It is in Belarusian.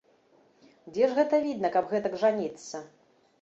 Дзе ж гэта відна, каб гэтак жаніцца?